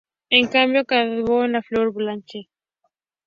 En cambio acabó en "La Fleur blanche.